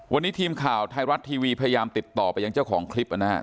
วันนี้ทีมข่าวไทยรัฐทีวีพยายามติดต่อไปยังเจ้าของคลิปนะฮะ